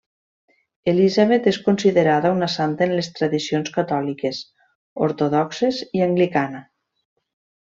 Elisabet és considerada una santa en les tradicions catòliques, ortodoxes i anglicana.